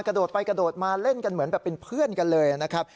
กระโดดไปกระโดดมาเล่นกันเหมือนแบบเป็นเพื่อนกันเลยนะครับ